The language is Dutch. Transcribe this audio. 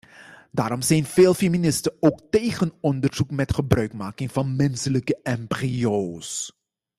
Daarom zijn veel feministen ook tegen onderzoek met gebruikmaking van menselijke embryo's.